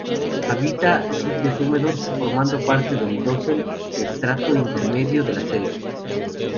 Habita sitios húmedos, formando parte del dosel estrato intermedio de la selva.